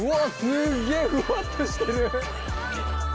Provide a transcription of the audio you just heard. すっげえふわっとしてる。